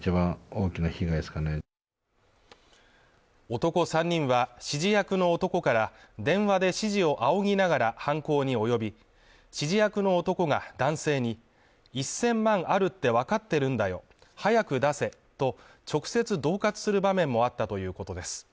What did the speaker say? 男３人は指示役の男から電話で指示を仰ぎながら犯行におよび、指示役の男が男性に１０００万あるってわかってるんだよ早く出せと直接恫喝する場面もあったということです。